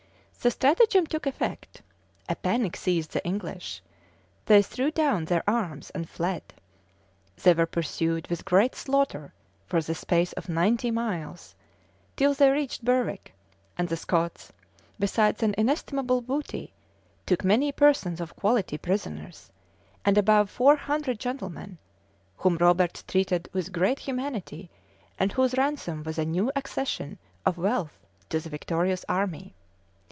* T. de la More, p. 594. T. de la More, p. 594. The stratagem took effect: a panic seized the English: they threw down their arms and fled: they were pursued with great slaughter for the space of ninety miles, till they reached Berwick: and the Scots, besides an inestimable booty, took many persons of quality prisoners, and above four hundred gentlemen, whom Robert treated with great humanity,[*] and whose ransom was a new accession of wealth to the victorious army.